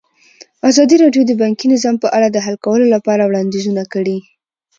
ازادي راډیو د بانکي نظام په اړه د حل کولو لپاره وړاندیزونه کړي.